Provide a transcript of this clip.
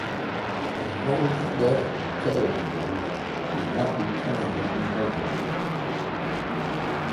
The Northwest Territories did not return any members.